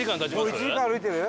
もう１時間歩いてる？